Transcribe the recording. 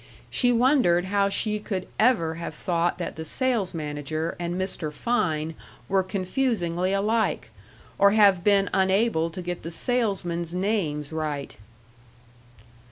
She wondered how she could ever have thought that the sales manager and Mr. Fein were confusingly alike, or have been unable to get the salesmen's names right.